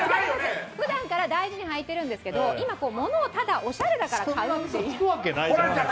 ふだんから大事に履いているんですけど、今、物を、ただおしゃれだから買うというホランちゃん